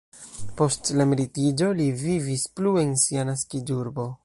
Post la emeritiĝo li vivis plu en sia naskiĝurbo.